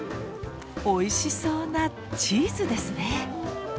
おいしそうなチーズですね！